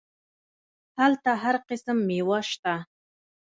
هلته هر قسم ميوه سته.